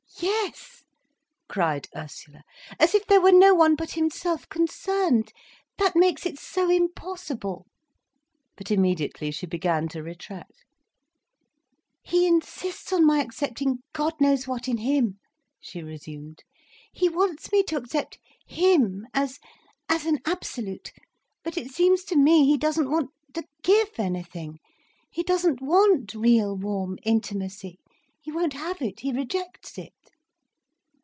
"Yes," cried Ursula. "As if there were no one but himself concerned. That makes it so impossible." But immediately she began to retract. "He insists on my accepting God knows what in him," she resumed. "He wants me to accept him as—as an absolute—But it seems to me he doesn't want to give anything. He doesn't want real warm intimacy—he won't have it—he rejects it.